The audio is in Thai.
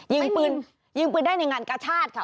ยิงปืนยิงปืนได้ในงานกระชากค่ะ